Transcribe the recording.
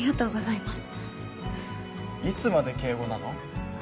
いつまで敬語なの？